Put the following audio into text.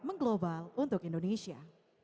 komunikasi global untuk indonesia